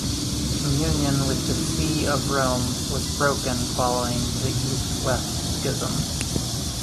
Communion with the see of Rome was broken following the East-West Schism.